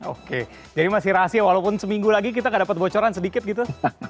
oke jadi masih rahasia walaupun seminggu lagi kita gak dapat bocoran sedikit gitu